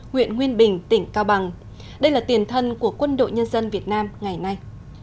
huyện nguyên bình tỉnh cao bằng đây là tiền thân của quân đội nhân dân việt nam ngày nay